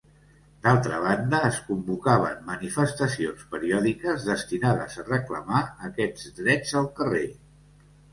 D'altra banda es convocaven manifestacions periòdiques destinades a reclamar aquests drets al carrer.